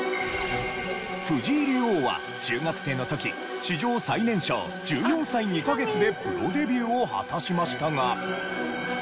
藤井竜王は中学生の時史上最年少１４歳２カ月でプロデビューを果たしましたが。